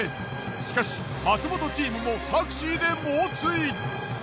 しかし松本チームもタクシーで猛追！